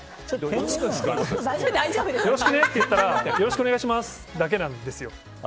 よろしくねって言ったらよろしくお願いしますだけなんですよ。